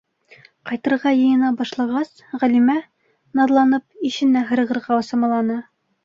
Ҡайтырға йыйына башлағас, Ғәлимә, наҙланып, ишенә һырығырға самаланы: